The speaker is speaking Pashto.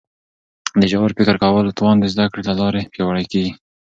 د ژور فکر کولو توان د زده کړي له لارې پیاوړی کیږي.